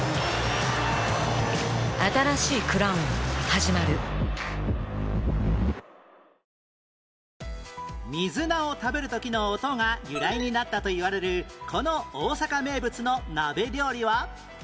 花王水菜を食べる時の音が由来になったといわれるこの大阪名物の鍋料理は？